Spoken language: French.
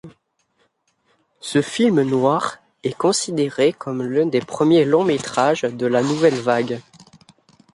Ce film noir est considéré comme l'un des premiers longs-métrages de la Nouvelle Vague.